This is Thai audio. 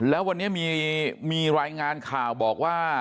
แล้ววันนี้มีรายงานข่าวบอกว่า